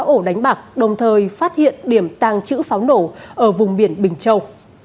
ổ đánh bạc đồng thời phát hiện điểm tăng chữ pháo nổ ở vùng biển bình châu